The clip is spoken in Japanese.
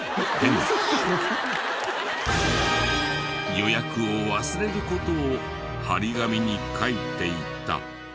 予約を忘れる事を貼り紙に書いていた。